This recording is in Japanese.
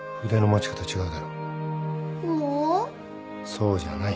そうじゃない